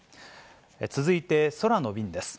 続いて空の便です。